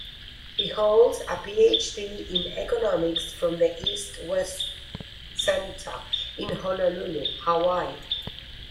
He holds a Ph.D. in economics from the East-West Center in Honolulu, Hawaii.